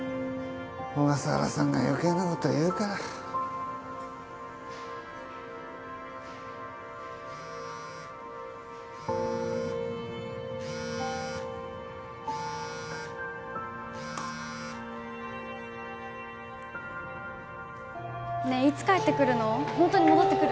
小笠原さんがよけいなこと言うからねえいつ帰ってくるのホントに戻ってくる？